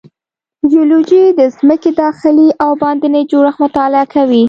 جیولوجی د ځمکې داخلي او باندینی جوړښت مطالعه کوي.